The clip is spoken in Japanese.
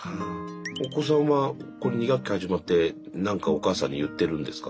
お子さんはこの２学期始まって何かお母さんに言ってるんですか？